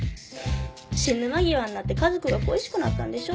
死ぬ間際になって家族が恋しくなったんでしょ